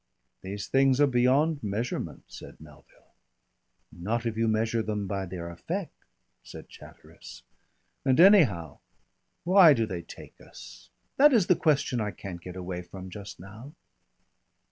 "These things are beyond measurement," said Melville. "Not if you measure them by their effect," said Chatteris. "And anyhow, why do they take us? That is the question I can't get away from just now."